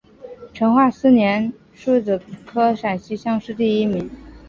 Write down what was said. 成化四年戊子科陕西乡试第一名。